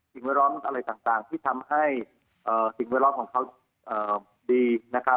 แวดล้อมอะไรต่างที่ทำให้สิ่งแวดล้อมของเขาดีนะครับ